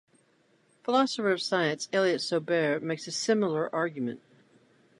Philosopher of science Elliott Sober makes a similar argument.